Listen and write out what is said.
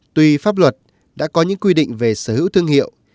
tuy pháp luật đã có những quy định về sở hữu thương hiệu